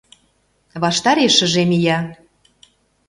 Ваштарешыже мия.